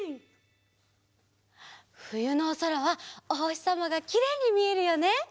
ふゆのおそらはおほしさまがきれいにみえるよね。